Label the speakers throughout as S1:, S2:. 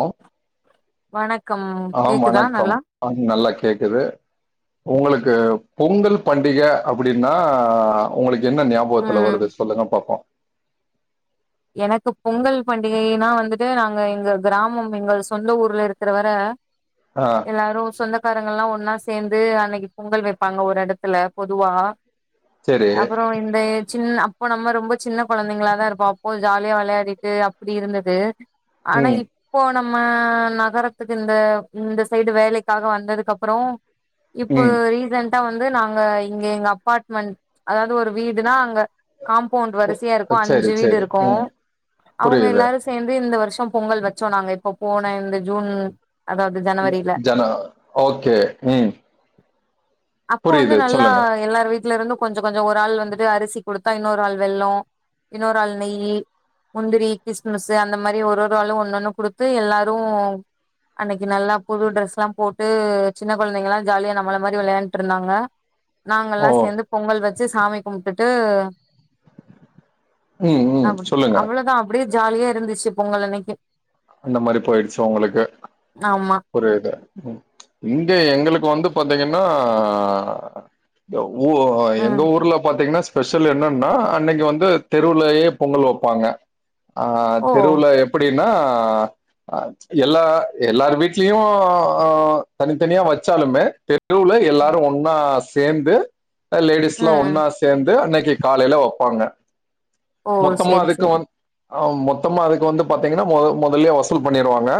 S1: ஓ
S2: வணக்கம் கேக்குதா நல்லா
S1: ஆ நல்லா கேக்குது உங்ளுக்கு பொங்கல் பண்டிக அப்டின்னா உங்ளுக்கு என்ன ஞாபகத்துல
S2: ம்
S1: வருது சொல்லுங்க பாப்போ
S2: எனக்கு பொங்கல் பண்டிகைன்னா வந்துட்டு நாங்க எங்க கிராமம் எங்கள் சொந்த ஊர்ல இருக்கிறவர
S1: ஆ
S2: எல்லாரு சொந்தக்காரங்கல்லா ஒன்னா சேந்து அனைக்கி பொங்கல் வைப்பாங்க ஒரு எடத்துல பொதுவா
S1: சரி.
S2: அப்புறோ இந்த சின் அப்போ நம்ம ரொம்ப சின்ன கொழந்தைங்களா தா இருப்போ ஜாலியா வெளயாடிட்டு அப்டி இருந்தது ஆனா
S1: ம்.
S2: இப் இப்போ நம்ம நகரத்துக்கு இந்த இந்த சைடு வேலைக்காக வந்ததுக்கு அப்புறோ இப்போ
S1: ம்.
S2: ரீசென்டா வந்து நாங்க இங்க எங்க அப்பாட்மெண்ட் அதாவ்து ஒரு வீடுனா அங்க காம்பவுண்ட்
S1: ஒ
S2: வரிசையா இருக்கு
S1: சரி,
S2: அஞ்சு வீடு
S1: சரி.
S2: இருக்கு
S1: ம்.
S2: அவ்ங்க
S1: புரியுது.
S2: எல்லாரு சே சேந்து இந்த வருஷோ பொங்கல் வச்சோ நாங்க இப்ப போன இந்த ஜூன் அதாவது ஜனவரில
S1: ஜனா ஓகே ம்
S2: அப்போ வந்து
S1: புரியுது.
S2: நல்லா
S1: சொல்லுங்க.
S2: எல்லாரு வீட்ல இருந்து கொஞ்ச கொஞ்சோ ஒரு ஆள் வந்துட்டு அரிசி குடுத்தா இன்னொரு ஆள் வெல்லோ இன்னொராள் நெய்யி முந்திரி கிஸ்மிஸ்ஸு அந்த மாரி ஒரு ஒரு ஆளு ஒன்னொன்னு குடுத்து எல்லாரு அன்னைக்கு நல்லா புது ட்ரெஸ்லா போட்டு சின்ன கொழந்தைங்களா ஜாலியா நம்மள மாரி வெளையாண்ட்ருந்தாங்க
S1: ஓ!
S2: நாங்கலா சேந்து பொங்கல் வெச்சு சாமி கும்ட்டுட்டு
S1: ம், ம்.
S2: ஆமா
S1: சொல்லுங்க.
S2: அவளதா அப்டியே ஜாலியா இருந்துச்சு பொங்கல் அன்னைக்கு
S1: அந்த மாரி போயிடுச்சு ஒங்களுக்கு
S2: ஆமா
S1: ஒரு இது இங்க எங்களுக்கு வந்து பாத்தீங்கனா ஆ த உ அ ஆ
S2: ம்
S1: எங்க ஊர்ல பாத்தீங்னா ஸ்பெஷல் என்னன்னா அன்னைக்கு வந்து தெருவுலயே பொங்கல் வெப்பாங்க அ
S2: ஓ
S1: தெருவுல எப்டின்னா அ எல்லா எல்லார் வீட்லயு தனித்தனியா வெச்சாலுமே தெ ருவுல எல்லாரு
S2: ம்
S1: ஒன்னா சேந்து அ லேடீஸ்லா
S2: ம்
S1: ஒன்னா சேந்து அன்னைக்கு காலைல வப்பாங்க
S2: ஓ
S1: மொத்தமா
S2: சேரி
S1: அதுக்கு
S2: சேரி
S1: வந் அ மொத்தமா அதுக்கு வந்து பாத்தீங்கனா மொத மொதல்லயே வசூல் பண்ணிருவாங்க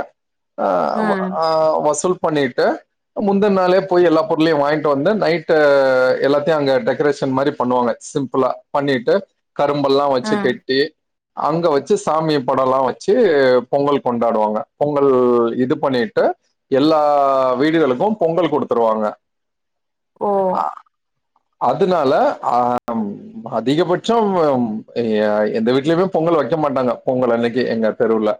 S1: அ வ
S2: ம்
S1: ஆ வ வசூல் பண்ணிட்டு அ முந்துன் நாளே போயி எல்லா பொருளையு வாங்கிட்டு வந்து நைட்டு எல்லாத்தையு அங்க டெக்கரேஷன் மாரி பண்ணுவாங்க சிம் பிளா பண்ணிட்டு கரும்பெல்லா வச்சு
S2: ம்
S1: கட்டி அங்க வச்சு சாமி படல்லா வச்சு பொங்கல் கொண்டாடுவாங்க பொங்கல் இது பண்ணிட்டு எல்லா வீடுகளுக்கு பொங்கல் குடுத்துருவாங்க
S2: ஓ
S1: அ அதுனால ஆ ம் அதிகபட்சம் வம் எ ஏ எந்த வீட்லயுமே பொங்கல் வெக்க மாட்டாங்க பொங்கல் அன்னைக்கு எங்க தெருவுல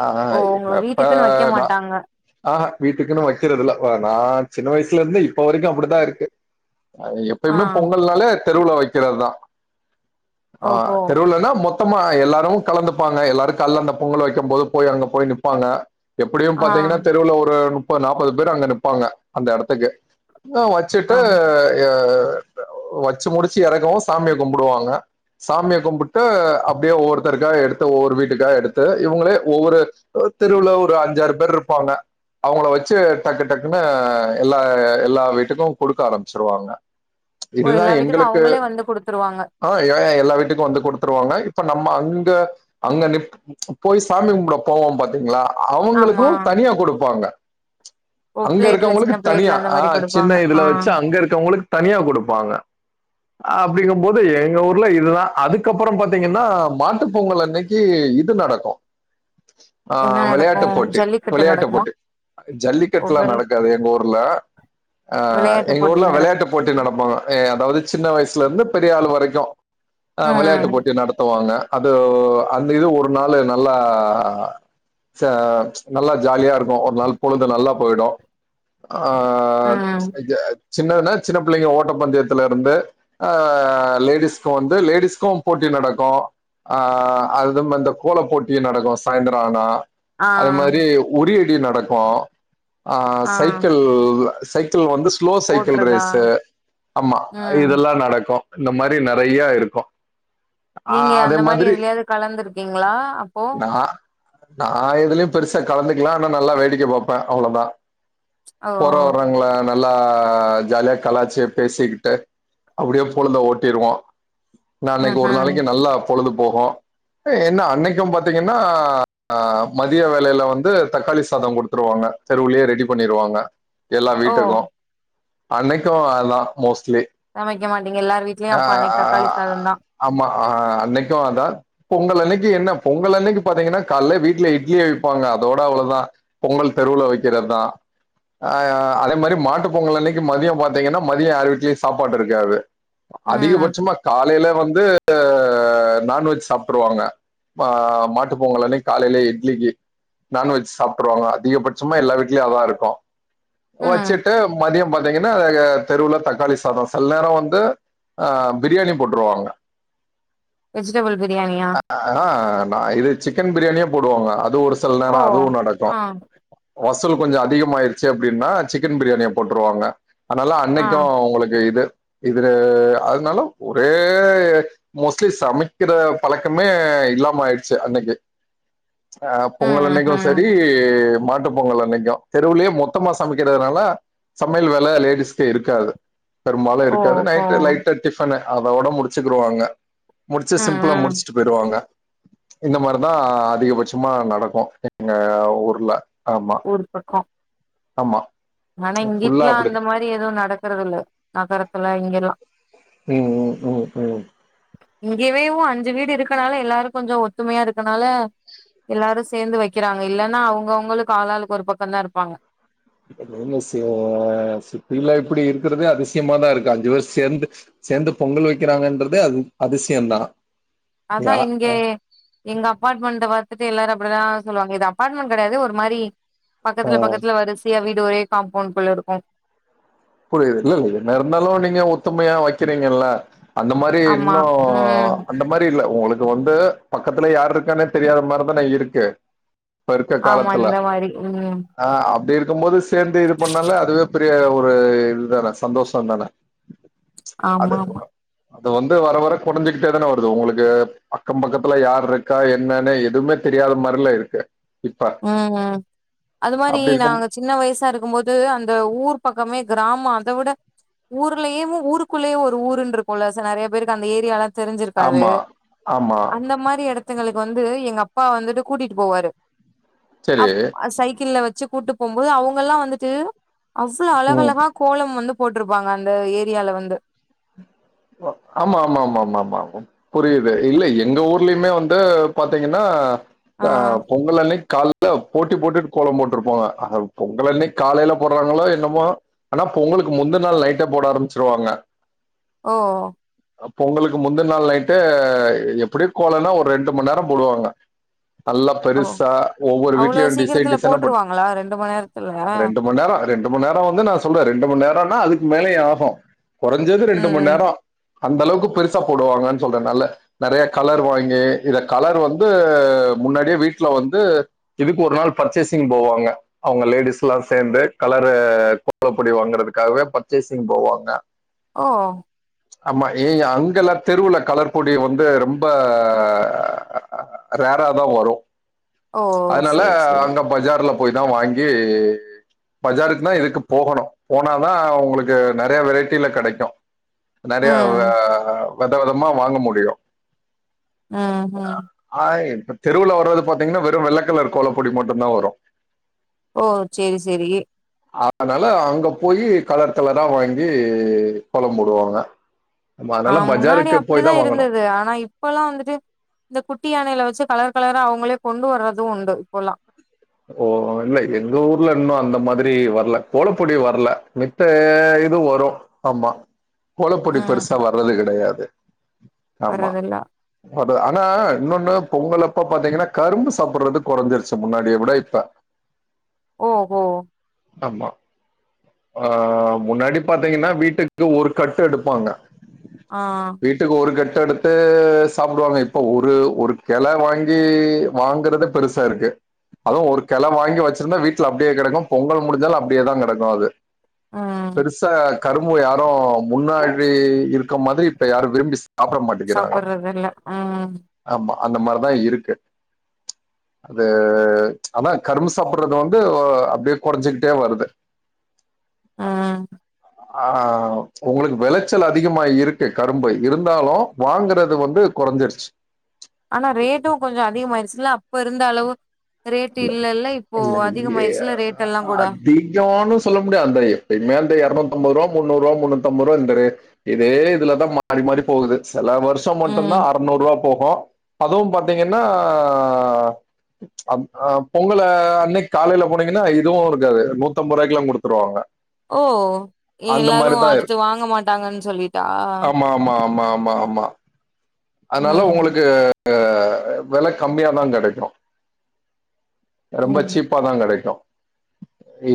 S1: அ அ
S2: ஓ
S1: எங்க
S2: உங்க
S1: அப்பா
S2: வீட்டுக்குன்னு வைக்க
S1: நா
S2: மாட்டாங்க
S1: அ ஹா வீட்டுக்குன்னு வக்கிறதில்ல வர நா சின்ன வயசுல இருந்தே இப்ப வரைக்கு அப்டித்தா இருக்கு அ
S2: ஆ
S1: எப்பயுமே பொங்கல்னாலே தெருவுல வக்கிறது தா ஆ
S2: ஓஹோ
S1: தெருவுலனா மொத் த்தமா எல்லாரு கலந்துப்பாங்க எல்லாரு கால்ல அந்த பொங்கல் வெக்கும் போது போயி அங்க போயி நிப்பாங்க எப்டியு
S2: ஆ
S1: பாத்தீங்கனா தெருவுல ஒரு நுப்பது நாப்பது பேரு அங்க நிப்பாங்க அந்த எடத்துக்கு அ
S2: ஆ
S1: வச்சுட்டு எ வச்சு முடிச்சு எறக்கவு சாமிய கும்புடுவாங்க சாமிய கும்புட்டு அப்டியே ஒவ்வொருத்தருக்கா எடுத்து ஒவ்வொரு வீட்டுக்கா எடுத் து இவுங்களே ஒவ்வொரு அ தெருவுல ஒரு அஞ்சாறு பேரு இருப்பாங்க அவ்ங்கள வெச்சு டக்கு டக்குன்னு எல்லா எல்லா வீட்டுக்கு குடுக்க ஆரம்மிச்சிருவாங்க
S2: ஓ எல்லா வீட்டுக்கு அவுங்களே வந்து குடுத்துருவாங்க
S1: ஆ யா யா எல்லா வீட்டுக்கு வந்து குடுத்துருவாங்க இப்ப நம்ம அங்க அங்க நிப் போயி சாமி கும்புட போவோ பாத்தீங்களா அவுங்களுக்கு
S2: ஆமா
S1: தனியா குடுப்பாங்க
S2: ஓ
S1: அங்க
S2: பிளேட்ல சின்ன
S1: இருக்கவ்ங்களுக்கு தனியா
S2: பிளேட்ல அந்த
S1: ஆ
S2: மாரி குடுப்பாங்க
S1: சின்ன
S2: ஆ
S1: இதுல வச்சு அங்க இருக்கவ்ங்களுக்கு தனியா குடுப்பாங்க அப்டிங்கும் போது எங்க ஊர்ல இதுதா அதுக்கப்பற பாத்தீங்கனா மாட்டு பொங்கல் அன்னைக்கி இது இது நடக்கு ஆ
S2: என்ன நடக்கு
S1: வெளையாட்டுப் போட்டி
S2: ஜல்லிக்கட்டு
S1: விளையாட்டுப்
S2: நடக்குமா
S1: போட்டி
S2: ஓ
S1: ஜல்லிக்கட்டுலா
S2: வெள
S1: நடக்காது எங்க ஊர்ல அ
S2: விளையாட்டு
S1: எங்க
S2: போட்டி
S1: ஊர்ல
S2: நடக்கு
S1: வெளையாட்டு போட்டி நடப்பாங்க எ அதாவ்து சின்ன வயசுலருந்து பெரியாளு வரைக்கு அ
S2: ம்
S1: வெளையாட்டுப் போட்டி நடத்துவாங்க அது அந்த இது ஒரு நாளு நல்லா ச நல்லா ஜாலியா இருக்கு ஒரு நாள் பொழுது நல்லா போயிடு ஆ
S2: ம்
S1: ஐய சின்னதுனா சின்ன பிள்ளைங்க ஓட்டப்பந்தயத்துல இருந்து அ லேடீஸ்க்கு வந்து லேடீஸ்க்கு போட்டி நடக்கு ஆ அதும் அந்த கோலப் போட்டி நடக்கு சாய்ந்தரோ ஆனா
S2: ஆ
S1: அதே மாரி உரியடி நடக்கு ஆ சைக்கிள் சைக் கிள் வந்து ஸ்லோ சைக்கிள்
S2: ஓட்றதா
S1: ரேஸ்ஸு ஆமா
S2: ம்
S1: இதெல்லா நடக்கு இந்த மாரி நறையாருக்கு ஆ அதே மாத்ரி
S2: கலந்திருக்கீங்ளா அப்போ
S1: நா எதுலயு பெருசா கலந்துக்ல ஆனா நல்லா வேடிக்க பாப்பே அவ்ளதா
S2: ஓ
S1: போற வர்றவ்ங்ள நல்லா ஜாலியா கலாச்சு பேசிக்கிட்டு அப்டியே பொழுத ஓட்டிருவோ நா அன்னக்கி
S2: ம்
S1: ஒரு
S2: ம்
S1: நாளக்கி நல்லா பொழுது போகு ஏ என்னா அன்னைக்குபாத்தீங்கன்னா மதிய வேளைல வந்து தக்காளி சாதொ குடுத்துருவாங்க தெருவுலே ரெடி பண்ணிருவாங்க எல்லா
S2: ஓ
S1: வீட்டுக்கு அன்னைக்கு அதா மோஸ்ட்லி
S2: சமைக்க மாட்டிங்க எல்லார் வீட்லயு
S1: ஆ
S2: அப்ப அன்னக்கி
S1: ஆ
S2: தக்காளி சாதோந்தா
S1: ஆமா ஆ அன்னைக்கு அதா பொங்கல் அன்னைக் கி என்ன பொங்கல் அன்னக்கி பாத்தீங்கன்னா கால்ல வீட்ல இட்லி அவிப்பாங்க அதோட அவ்ளதா பொங்கல் தெருவுல வக்கறதா ஆ அதே மாரி மாட்டு பொங்கல் அன்னக்கி மதியோ பாத்தீங்கன்னா மதியோ யார் வீட்லி சாப்பாடு இருக்காது
S2: ம்
S1: அதிகபட்சமா காலைல வந்து நாான்வெஜ் சாப்ட்ருவாங்க ஆ மாட்டுப்பொங்கல் அன்னைக் காலைலே இட்லிக்கி நான்வெஜ் சாப்ட்ருவாங்க அதிகபட்சமா எல்லா வீட்லயு அதாருக்கு
S2: ஆ
S1: வச்சுட்டு மதியோ பாத்தீங்கன்னா எ தெருவுல தக்காளி சாதோ செல் நேரோ வந்து ஆ பிரியாணி போட்ருவாங்க
S2: வெஜிடபிள் பிரியாணியா
S1: ஆனா நா இது சிக்கன் பிரியாணியே போடுவாங்க அது ஒரு செல்
S2: ஓ
S1: நேரோ அதுவு நடக்கு
S2: ஆ
S1: வசூல் கொஞ்சோ அதிகமாய்ருச்சு அப்டின்னா சிக்கன் பிரியாணிய போட்ருவாங்க ஆனால
S2: ஆ
S1: அன்னைக்கு அவுங்களுக்கு இது இதுல அதுனாலு ஒரே மோஸ்ட்லி சமைக்கிற பழக் கமே இல்லாம ஆய்டுச்சு அன்னக்கி ஆ பொங்கல்
S2: ம்
S1: அன்னைக்கு
S2: ம்
S1: செரி மாட்டுப் பொங்கல் அன்னைக்கு தெருவுலே மொத்தமா சமைக்கிறதுனால சமையல் வேல லேடிஸ்க்கு இருக்காது பெரும்பாலு இருக்காது
S2: ஓஹோ
S1: நைட்டு லைட்டா டிஃபனு அதோட முடிச்சுக்குருவாங்க முடிச்சு
S2: ம்
S1: சிம்பிளா
S2: ம்
S1: முடிச்சுட் போய்டுவாங்க இந்த மார்தா அதிகபட்சமா நடக்கு எங்க ஊர்ல ஆமா
S2: ஊர் பக்கோ
S1: ஆமா
S2: ஆனா
S1: ஃபுல்லா
S2: இங்கிட்லா அந்த
S1: அப்டிதா
S2: மாரி எதுவு நடக்கறதில்ல நகரத்துல இங்கெல்லா
S1: ம் ம் ம் ம்
S2: இங்கவேவு அஞ்சு வீடு இருக்கனால எல்லாரு கொஞ்சொ ஒத்துமயா இருக்கனால எல்லாரு சேர்ந்து வக்கிறாங்க இல்லன்னா அவுங்கவுங்களுக்கு ஆளாளுக்கு ஒரு பக்கோந்தா இருப்பாங்க
S1: நீங்க சே சிட்டில இப்டி இருக்றதே அதிசயமா தா இருக்கு அஞ்சு பேரு சேந்து சேந்து பொங்கல் வக்கிறாங்கன்றதே அ அதிசயந்தா
S2: அதா
S1: யா
S2: இங்கே எங்க அபார்ட்மெண்ட்ட பாத்துட்டு எல்லாரு அப்டிதா சொல்வாங்க இது அபார்ட்மெண்ட் கெடயாது ஒரு மாரி பக்கத்ல
S1: ஆ
S2: பக்கத்ல வரிசையா வீடு ஒரே காம்பவுண்ட்க்குள்ளருக்கு
S1: புரிது இல்லெல்ல என்ன இருந்தாலு நீங்க ஒத்துமயா வக்கிறீங்கள்ல அந்த மாதிரி
S2: ஆமா
S1: இன்னு
S2: ம்
S1: அந்த மாரி இல்ல உங்களுக்கு வந்து பக்கத்துல யாரு இருக்கானே தெரியாத மாரிதான இருக்கு இப்ப இருக்க
S2: ஆமா
S1: காலத்துல
S2: இந்த மாரி ம்
S1: ஆ அப்டி இருக்கும் போது சேர்ந்து இது பண்ணாலே அதுவே பெரிய ஒரு இதுதானே சந்தோஷ தானே
S2: ஆமா
S1: அது
S2: ஆமா
S1: அது வந்து வர வர கொறஞ்சிகிட்டே தானே வருது உங்களுக்கு அக்கம் பக்கத்துல யார் இருக்கா என்னன்னு எதுவுமே தெரியாத மாரில இருக்கு இப்ப
S2: ஆஅ அது மாரி
S1: அப்டி இருக்கும்
S2: நாங்க சின்ன வயசா இருக்கும்போது அந்த ஊர் பக்கமே கிராம அத விட ஊர்லயமு ஊருக்குள்ளயே ஒரு ஊருன்ருக்குல்ல ச நெறைய பேருக்கு அந்த ஏரியால தெரிஞ்சிருக்காது
S1: ஆமா ஆமா
S2: அந்த மாரி எடத்துங்களுக்கு வந்து எங்க அப்பா வந்துட்டு கூட்டிட்டு போவாரு
S1: சரி
S2: அப் சைக்கிள்ள வச்சு கூட்டு போம்போது அவங்கல்லா வந்துட்டு அவ்ளோ
S1: ம்
S2: அழகழகா கோலம் வந்து போட்டிருப்பாங்க அந்த ஏரியால வந்து
S1: ஆமா ஆமா ஆமா ஆமா ஆமா ஆமா புரியுது இல்ல எங்க ஊர்லையுமே வந்து பாத்தீங்கன்னா
S2: ஆ
S1: அ பொங்கல் அன்னக்கு கால் போட்டி போட்டுட்டு கோல போட்டிருப்போங்க பொங்கல் அன்னக்கு காலையில போடுறாங்களோ என்னமோ ஆனா பொங்கலுக்கு முந்த நாள் நைட்டே போட ஆரம்பிச்சிருவாங்க
S2: ஓ
S1: பொங்கலுக்கு முந்த நாள் நைட்டே எப்டி கோலன்னா ஒரு ரெண்டு மண் நேரோ போடுவாங்க நல்லா
S2: ஓ
S1: பெருசா ஒவ்வொரு
S2: அவ்ளோ
S1: வீட்லயு டிசை
S2: சீக்கிரத்துல
S1: டிசைனா போ
S2: போட்ருவாங்களா ரெண்டு மண் நேரத்துல
S1: ரெண்டு மண் நேரோ ரெண்டு மண் நேரோனா நா சொல்ற ரெண்டு மண் நேரோனா அதுக்கு மேலேயு ஆகு கொறஞ்சது
S2: ம்
S1: ரெண்டு மண்நேரோ
S2: ம்
S1: அந்த அளவுக்கு பெருசா போடுவாங்கன்னு சொல்றே நல்ல நெறைய கலர் வாங்கி இத கலர் வந்து முன்னாடியே வீட்டுல வந்து இதுக்கு ஒரு நாள் பர்ச்சேசிங் போவாங்க அவுங்க லேடிஸ்ல்லா சேந்து கலரு கோலப்பொடி வாங்குறதுக்காகவே பர்ச்சேசிங் போவாங்க
S2: ஓ
S1: ஆமா ஏ அங்கலா தெருவுல கலர்பொடி வந்து ரொம்ப ரேரா தா வரு
S2: ஓ
S1: அதனால
S2: சேரி சேரி
S1: அங்க பஜார்ல போய்தா வாங்கி பஜாருக்குனா இதுக்கு போகணு போனாதா உங்களுக்கு நெறைய வெரைட்டியில கெடைக்கு நெறைய
S2: ம்
S1: வெத வெதமா வாங்க முடியு
S2: ம் ம்
S1: ஆ இப்ப தெருவுல வரது பாத்தீங்கன்னா வெறு வெள்ளக்கலர் கோலப்பொடி மட்டும்தா வரு
S2: ஓ செரி சரி
S1: அதனால அங்க போயி கலர் கலரா வாங்கி கோல போடுவாங்க நம்ம
S2: ஆ
S1: அதனால
S2: முன்னாடி
S1: பஜாருக்கு போய்
S2: அப்டிதா
S1: தா வாங்கணு
S2: இருந்தது ஆனா இப் பல்லா வந்துட்டு இந்த குட்டி யானையில வச்சு கலர் கலரா அவுங்களே கொண்டு வர்றதும் உண்டு இப்போல்லா
S1: ஓ இல்ல எங்க ஊர்ல இன்னு அந்த மாதிரி வரல கோலப்பொடி வரல மத்த இது வரு ஆமா கோலப்பொடி
S2: ம்
S1: பெருசா வர்றது கெடையாது ஆமா
S2: வர்றதில்ல
S1: அ ஆனா இன்னொன்னு பொங்கலப்ப பாத்தீங்கன்னா கரும்பு சாப்பிடுறது கொறஞ்சிருச்சு முன்னாடிய உட இப்ப
S2: ஓ ஹோ
S1: ஆமா ஆ முன்னாடி பாத்தீங்கன்னா வீட்டுக்கு ஒரு கட்டு எடுப்பாங்க
S2: ஆ
S1: வீட்டுக்கு ஒரு கட்ட எடுத்து சாப்புடுவாங்க இப்போ ஒரு ஒரு கெள வாங்கி வாங்கறத பெருசா இருக்கு அதுவு ஒரு கெள வாங்கி வச்சிருந்தா வீட்டுல அப்டியே கெடக்கூ பொங்கல் முடிஞ்சாலு அப்டியேதா கெடக்கூ அது
S2: ம்
S1: பெருசா கரும்பு யாரு முன்னாடி இருக்க மாதிரி இப்ப யாரு விரும்பி சா சாப்ட மாட்டேக்கிறாங்க
S2: சாப்பட்றதில்ல ம்
S1: ஆமா அந்த மார்தா இருக்கு அது து அதா கரும்பு சாப்பறது வந்து அப்டியே கொறைஞ்சிக்கிட்டே வருது
S2: ஆ
S1: ஆ உங்களுக்கு விளைச்சல் அதிகமா இருக்கு கரும்பு இருந்தாலு வாங்கறது வந்து கொறஞ்சிருச்சு
S2: ஆனா ரேட்டுங் கொஞ்சொ அதிகமாயிடுச்சுல்ல அப்ப இருந்த அளவு ரேட்டு் இல்லல்ல இப்போ
S1: இல்ல
S2: அதிக மாயிடுச்சுல ரேட் எல்லா கூட
S1: [unintelligible] சொல்ல முடியாத் அந்த எப்பயுமே அந்த எரநூத்தம்பது ரூவா முன்னூரூவா முன்னூத்தம்பது ரூவா இருந்த ரேட் இதே இதுலதா மாறி மாறி போகுது செல வருஷம் மட்டுந்தா
S2: ம்
S1: அறநூறு ரூவா போகூ அதுவும் பாத்தீங்கன்னா ஆ பொங்கல அன்னைக்கி காலையில போனீங்கன்னா இதுவு இருக்காது நூத்தம்ப ரூவாய்க்கு எல்லா குடுத்துருவாங்க
S2: ஓ
S1: அந்த
S2: எல்லாரு
S1: மாரிதா இரு
S2: அடுத்து வாங்க மாட்டாங்கன் சொல்லிட்டா
S1: மா ஆமா ஆமா ஆமா அதனால
S2: ம்
S1: ஒங்களுக்கு வெல கம்மியாதா கெடைக்கூ ரொம்ப
S2: ம்
S1: சீப்பாதா கெடைக்கூ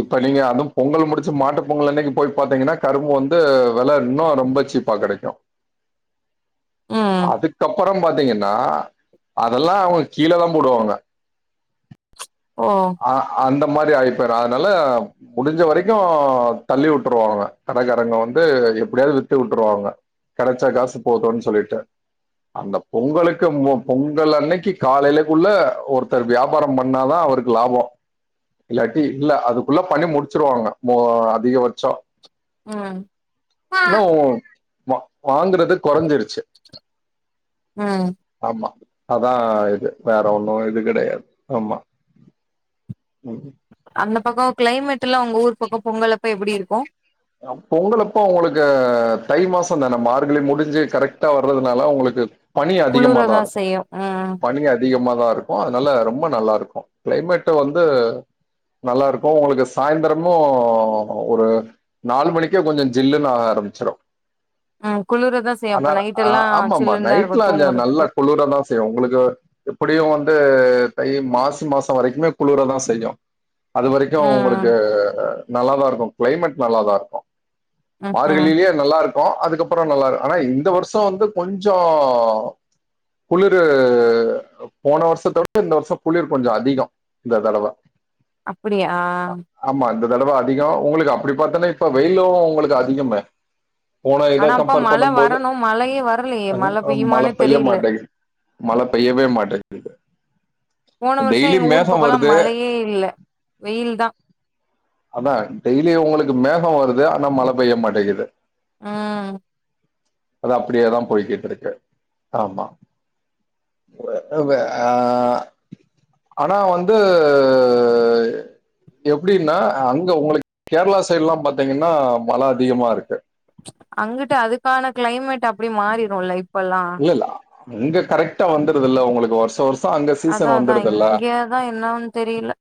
S1: இப்ப நீங்க அதுவு பொங்கல் முடிச்சு மாட்டு பொங்கல் அன்னைக்கி போய் பாத்தீங்கன்னா கரும்பு வந்து வெல இன்னு ரொம்ப சீப் பா கெடைக்கூ
S2: ம்
S1: அதுக்கப்பறம் பாத்தீங்கன்னா அதெல்லா அவுங்க கீழ தா போடுவாங்க
S2: ஓ
S1: அ அந்த மாரி ஆயிப்பெயரு அதனால முடிஞ்ச வரைக்கூ தள்ளி வுட்டுருவாங்க கடகாரங்க வந்து எப்டியாவது வித்து வுட்டுருவாங்க கடச்சா காசு போதுன் சொல்லிட்டு அந்த பொங்கலுக்கு மொ பொங்கல் அன்னைக்கி காலையிலக்குள்ள ஒருத்தர் வியாபாரம் பண்ணாதா அவருக்கு லாபொ இல்லாட்டி இல்ல அதுக்குள்ள பண்ணி முடிச்சிருவாங்க மொ அதிகபட்சம்
S2: ம்
S1: இன்னவோ வாங்கறது கொறஞ்சிருச்சு
S2: அ
S1: ஆமா அதா இது வேற ஒண்ணு இது கெடையாது ஆமா ம்
S2: அந்த பக்கம் க்ளைமேட் எல்லா உங்க ஊர் பக்கம் பொங்கல்ப்ப எப்பிடி இருக்கூ
S1: பொங்கலப்ப உங்களுக்கு தை மாசந்தான மார்கழி முடிஞ்சு கரெக்டா வர்றதுனால உங்களுக்கு பனி அதிகமா தா
S2: குளுரதா
S1: இருக்கூ
S2: செய்யு ம்
S1: பனி அதி அதிகமாதா இருக்கூ அதனால ரொம்ப நல்லா இருக்கூ க்ளைமேட்டு வந்து நல்லா இருக்கூ உங்களுக்கு சாய்ந்தரமு ஒரு நாலு மணிக்கே கொஞ்ச ஜில்லுனு ஆக ஆரம்பிச்சிரு
S2: ம் குளிரதா செய்யு
S1: ஆனா
S2: அப்ப நைட்
S1: ஆ
S2: எல்லா
S1: ஆமா ஆமா
S2: சில்லுன்னு தா இருக்கு
S1: நைட்லா இங்க நல்ல
S2: தூங்குறதுக்கு
S1: குளுர தா செய்யு உங்களுக்கு எப்படியு வந்து தை மாசி மாசம் வரைக்குமே குளுர தா செய்யு அது வரைக்கூ
S2: ம்
S1: உங்களுக்கு நல்லாதா இருக்கூ கிளைமேட் நல்லாதா இருக்கூ
S2: ம் ம்
S1: மார்கழிலயே நல்லா இருக் கோ அதுக்கப்புறோ நல்லா இருக் ஆனா இந்த வருஷே வந்து கொஞ்சோ குளிரூ போன வருஷத்தோட இந்த வருஷோ குளிர் கொஞ்சோ அதிகம் இந்த தடவ
S2: அப்பிடியா
S1: ஆமா இந்த தடவ அதிகம் உங்களுக்கு அப்பிடி பாரத்தோன்னா இப்ப வெயிலும் உங்களுக்கு அதிகமே போனா இதா
S2: ஆனா அப்ப
S1: கம்பேர்
S2: மழ
S1: பண்ணூ போது
S2: வரணு மழையே வரலையே மழ
S1: ம் மழை
S2: பெய்யுமானே
S1: பெய்ய
S2: தெரில
S1: மாட்டேங்குது மழா பைய்யவே மாட்டேங்குது
S2: போன வருஷே
S1: டெய்லி
S2: எங்க ஊரு
S1: மேகோ
S2: பக்கம்ல்லா
S1: வருது
S2: மழையே இல்ல வெயில் தா
S1: அதான் டெய்லியூ உங்களுக்கு மேகம் வருது ஆனா மழை பெய்ய மாட்டேங்கிது
S2: ம்
S1: அதா அப்பிடியேதா போயிட்டு இருக்கு ஆமா ஓ அ ஆஹ் ஆனா வந்து எப்படின்னா அங்க உங்களுக்கு கேரளா சைட்ல்லா பார்த்தீங்ன்னா மழை அதிகமா இருக்கு
S2: அங்கிட்டு அதுக்கான கிளைமேட் அப்படி மாறிட்டோம்ல்ல இப்பல்லா
S1: இல்ல அங்க கரெக்ட்டா வந்துருது இல்லல்ல இங்க கரொக்டா வந்துருதுதில்ல உங்களுக்கு வருஷ வருஷோ அங்க சீசன் வந்துடுதில்ல
S2: ன்னா என்னாவ்ன் தெரியல